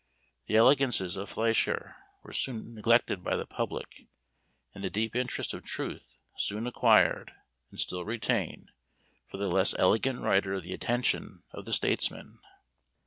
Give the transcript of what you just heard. The elegances of Flechier were soon neglected by the public, and the deep interests of truth soon acquired, and still retain, for the less elegant writer the attention of the statesman.